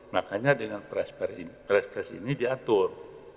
makanya dengan peres peres ini diatur